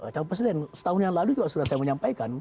calon presiden setahun yang lalu juga sudah saya menyampaikan